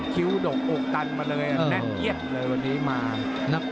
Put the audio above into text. คิ้วดกอกตันมาเลยแน่นเอียดเลยวันนี้มา